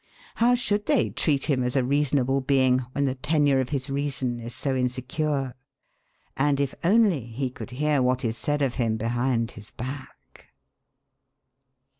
How should they treat him as a reasonable being when the tenure of his reason is so insecure? And if only he could hear what is said of him behind his back!...